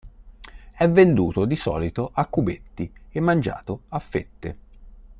È venduto di solito a cubetti, e mangiato a fette.